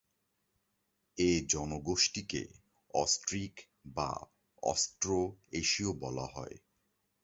এ জনগোষ্ঠীকে অস্ট্রিক বা অস্ট্রো-এশীয়ও বলা হয়।